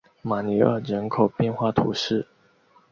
马尼厄人口变化图示